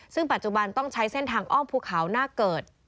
ซึ่งปัจจุบันต้องใช้เส้นทางอ้อมภูเขาหน้าเกิด